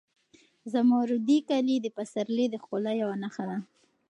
زمردي کالي د پسرلي د ښکلا یوه نښه ده.